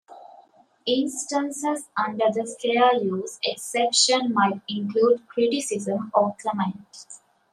Instances under the fair use exception might include criticism or comment.